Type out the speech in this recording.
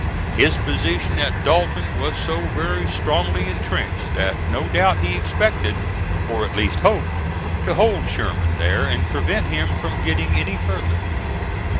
His position at Dalton was so very strongly intrenched that no doubt he expected, or at least hoped, to hold Sherman there and prevent him from getting any further.